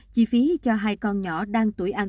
chỉ phí cho hai con nhỏ đang tuổi ăn